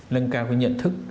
nâng cao cái nhận thức